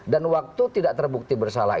dan waktu tidak terbukti bersalah